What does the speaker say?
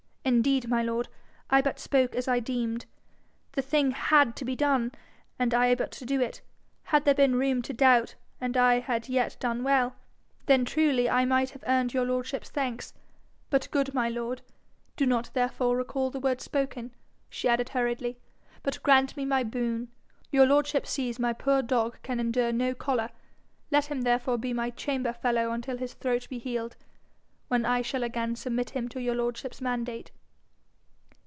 'Indeed, my lord, I but spoke as I deemed. The thing HAD to be done, and I did but do it. Had there been room to doubt, and I had yet done well, then truly I might have earned your lordship's thanks. But good my lord, do not therefore recall the word spoken,' she added hurriedly, 'but grant me my boon. Your lordship sees my poor dog can endure no collar: let him therefore be my chamber fellow until his throat be healed, when I shall again submit him to your lordship's mandate.'